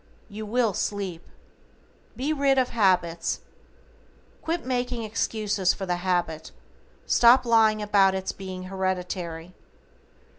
YOU WILL SLEEP. =BE RID OF HABITS:= Quit making excuses for the habit, stop lying about its being hereditary.